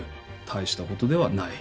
大したことではない。